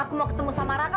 aku mau ketemu sama raka